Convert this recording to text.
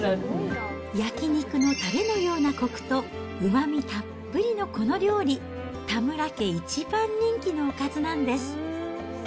焼き肉のたれのようなこくと、うまみたっぷりのこの料理、田村家一番人気のおかずなんです。